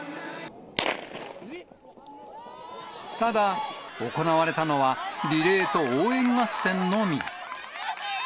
ただ、行われたのはリレーと応援合戦のみ。